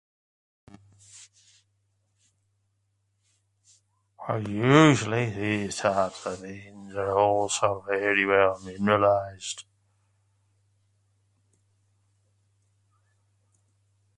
Usually these types of veins are also well mineralized.